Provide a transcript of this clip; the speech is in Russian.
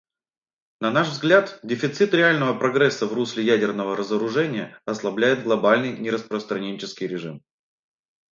На наш взгляд, дефицит реального прогресса в русле ядерного разоружения ослабляет глобальный нераспространенческий режим.